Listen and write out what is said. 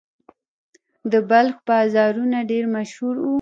د بلخ بازارونه ډیر مشهور وو